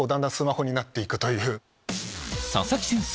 佐々木先生